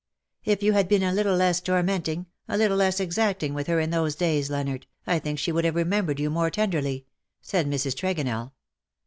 ^'" If you had been a little less tormenting, a little less exacting with her in those days^ Leonard^ I think she would have remembered you more ten derly/^ said Mrs. Tregonell.